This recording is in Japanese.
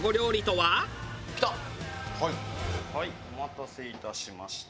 はいお待たせいたしました。